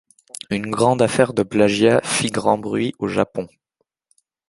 Une grande affaire de plagiat fit grand bruit au Japon.